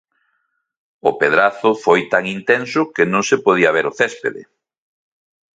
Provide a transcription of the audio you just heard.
O pedrazo foi tan intenso que non se podía ver o céspede.